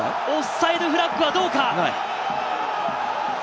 オフサイドフラッグはどうか？